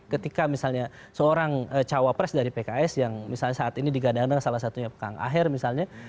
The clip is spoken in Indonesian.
ketika misalnya seorang cawapres dari pks yang misalnya saat ini digadang gadang salah satunya kang aher misalnya